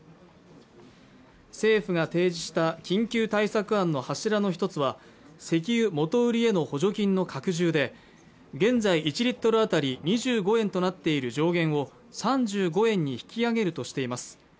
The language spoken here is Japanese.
政府が提示した緊急対策案の柱の一つは石油元売りへの補助金の拡充で現在１リットル当たり２５円となっている上限を３５円に引き上げるとしています